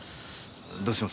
どうします？